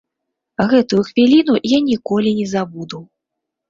Гэтую хвіліну я ніколі не забуду.